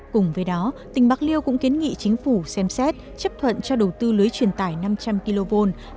cùng với đó tỉnh bạc liêu cũng kiến nghị chính phủ xem xét chấp thuận cho đầu tư lưới truyền tải năm trăm linh kv